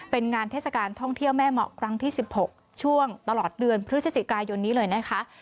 เป็นงานเทศกาลท่องเที่ยวแม่เหมาะครั้งที่๑๖ช่วงตลอดเดือนพฤศจิกายนนี้เลยนะคะ